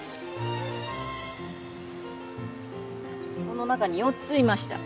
この中に４ついました。